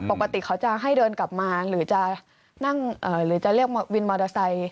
ปกติเขาจะให้เดินกลับมาหรือจะเรียกวินมอเตอร์ไซต์